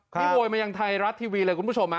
นี่โวยมายังไทยรัฐทีวีเลยคุณผู้ชม